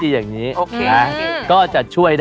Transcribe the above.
เอาไม่ทันเหรอ